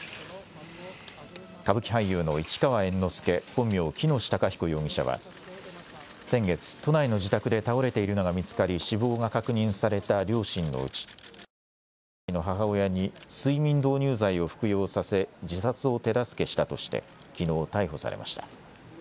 歌舞伎俳優の市川猿之助、本名・喜熨斗孝彦容疑者は、先月、都内の自宅で倒れているのが見つかり、死亡が確認された両親のうち、７５歳の母親に睡眠導入剤を服用させ、自殺を手助けしたとして、きのう逮捕されました。